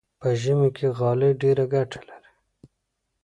په ژمي کې غالۍ ډېره ګټه لري.